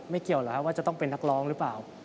เกี่ยวแล้วว่าจะต้องเป็นนักร้องหรือเปล่า